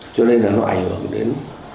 cho nên là nó ảnh hưởng đến